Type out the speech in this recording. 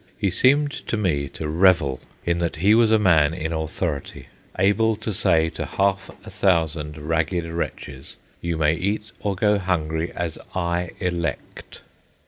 He seemed to me to revel in that he was a man in authority, able to say to half a thousand ragged wretches, "you may eat or go hungry, as I elect."